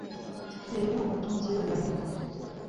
Leero otunzeeyo bya mmeka?